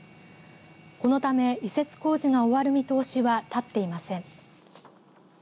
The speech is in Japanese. このため移設工事が終わる見通しは、立っていません。